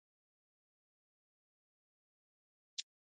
سریزه او عنوان په مکتوب کې شامل دي.